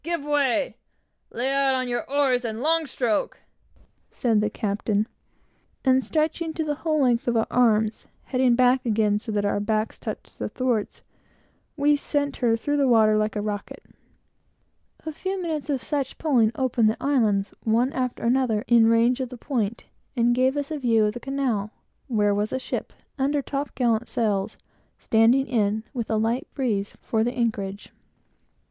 Give way! Lay out on your oars, and long stroke!" said the captain; and stretching to the whole length of our arms, bending back again, so that our backs touched the thwarts, we sent her through the water like a rocket. A few minutes of such pulling opened the islands, one after another, in range of the point, and gave us a view of the Canal, where was a ship, under top gallant sails, standing in, with a light breeze, for the anchorage.